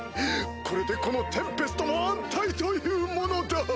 これでこのテンペストも安泰というものだ。